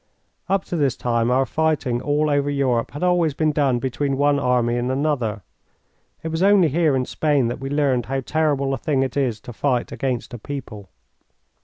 Up to this time our fighting all over Europe had always been done between one army and another. It was only here in Spain that we learned how terrible a thing it is to fight against a people.